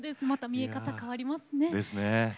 また見え方が変わりますね。